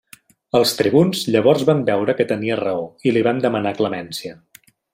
Els tribuns llavors van veure que tenia raó i li van demanar clemència.